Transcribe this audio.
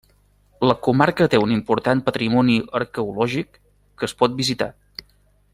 La comarca té un important patrimoni arqueològic, que es pot visitar.